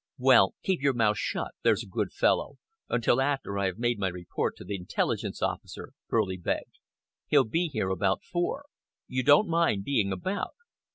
"Well, keep your mouth shut, there's a good fellow, until after I have made my report to the Intelligence Officer," Furley begged. "He'll be here about four. You don't mind being about?"